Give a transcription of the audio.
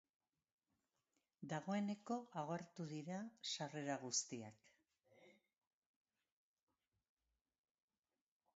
Dagoeneko agortu dira sarrera guztiak.